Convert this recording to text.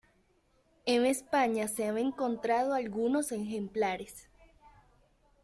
En España se han encontrado algunos ejemplares.